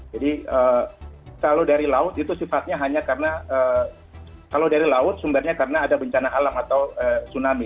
jadi kalau dari laut itu sifatnya hanya karena kalau dari laut sumbernya karena ada bencana alam atau tsunami